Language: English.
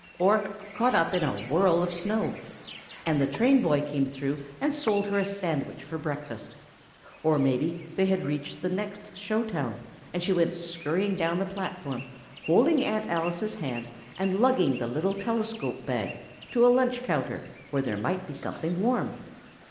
or caught up in a whirl of snow; and the train boy came through and sold her a sandwich for breakfast; or maybe they had reached the next show town, and she went scurrying down the platform, holding Aunt Alice's hand and lugging the little telescope bag, to a lunch counter where there might be something warm....